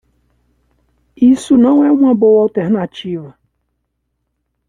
Isso não é uma boa alternativa.